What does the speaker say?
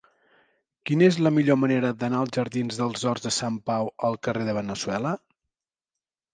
Quina és la millor manera d'anar dels jardins dels Horts de Sant Pau al carrer de Veneçuela?